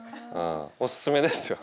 おすすめですよ。